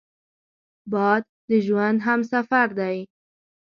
باد د ژوند همسفر دی